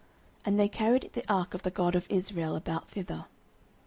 And they carried the ark of the God of Israel about thither.